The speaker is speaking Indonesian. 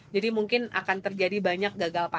jadi mungkin akan terjadi banyak gagal panas